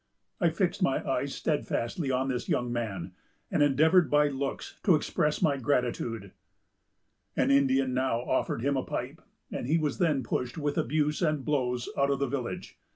I fixed my eyes steadfastly on this young man, and endeavored by looks to express my gratitude." An Indian now offered him a pipe, and he was then pushed with abuse and blows out of the village.